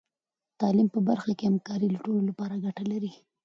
د تعلیم په برخه کې همکاري د ټولو لپاره ګټه لري.